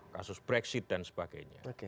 kasus brexit dan sebagainya